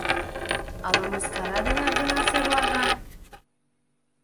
Ала мыскара денак гына серлага?